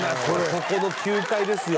ここの９階ですよ